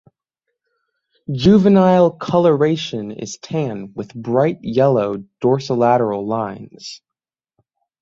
Juvenile coloration is tan with bright yellow dorsolateral lines.